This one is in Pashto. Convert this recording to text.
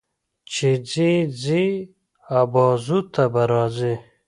چې ځې ځې ابازو ته به راځې